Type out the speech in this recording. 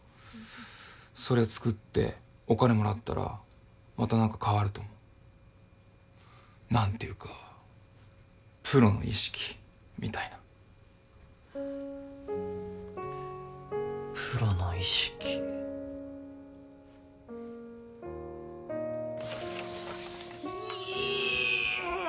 それを作ってお金もらったらまた何か変わると思う何て言うかプロの意識みたいなプロの意識いええっ